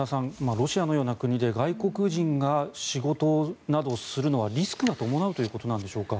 ロシアのような国で外国人が仕事などをすることはリスクが伴うということなんでしょうか。